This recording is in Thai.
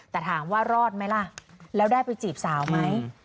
แต่ถามว่ารอดไหมล่ะแล้วได้ไปจีบสาวไหม